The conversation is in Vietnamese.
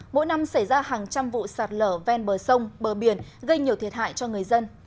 mỗi năm xảy ra hàng trăm vụ sạt lở ven bờ sông bờ biển gây nhiều thiệt hại cho người dân